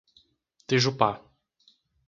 Tejupá